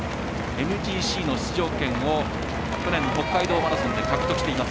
ＭＧＣの出場権を去年、北海道マラソンで獲得しています。